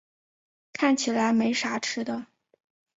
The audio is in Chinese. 看起来没啥吃的